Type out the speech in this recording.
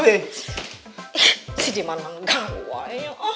ih si diman man gawa ya